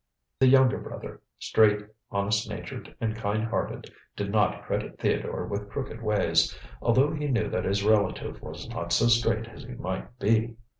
The younger brother, straight, honest natured and kind hearted, did not credit Theodore with crooked ways, although he knew that his relative was not so straight as he might be.